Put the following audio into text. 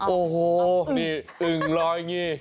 โอ้โหนี่อึ่งลอยอย่างนี้